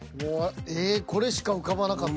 ええこれしか浮かばなかった。